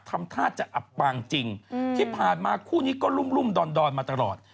ทำท่าจะอับปางจริงที่ผ่านมาคู่นี้ก็รุ่มดอนมาตลอด